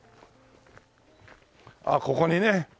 ああここにね。